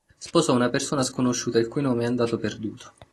Sposò una persona sconosciuta il cui nome è andato perduto.